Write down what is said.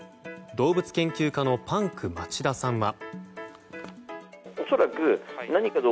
動物研究家のパンク町田さんは。